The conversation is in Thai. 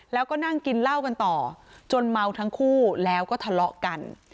แล้วก็นั่งกินเหล้ากันต่อจนเมาทั้งคู่แล้วก็ทะเลาะกัน